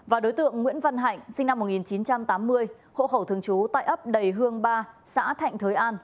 và đối tượng nguyễn văn hạnh sinh năm một nghìn chín trăm tám mươi hộ khẩu thường trú tại ấp đầy hương ba xã thạnh thới an